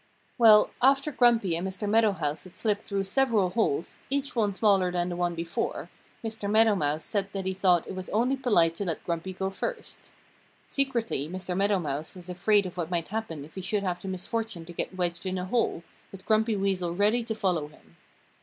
Well, after Grumpy and Mr. Meadow Mouse had slipped through several holes, each one smaller than the one before, Mr. Meadow Mouse said that he thought it was only polite to let Grumpy go first. Secretly Mr. Meadow Mouse was afraid of what might happen if he should have the misfortune to get wedged in a hole, with Grumpy Weasel ready to follow him.